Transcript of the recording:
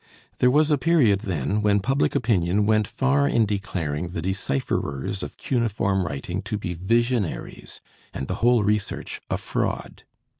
There was a period then when public opinion went far in declaring the decipherors of cuneiform writing to be visionaries and the whole research a "fraud."